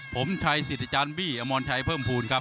ผมชัยสิทธิ์อาจารย์บี้อมรชัยเพิ่มภูมิครับ